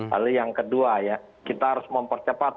lalu yang kedua ya kita harus mempercepat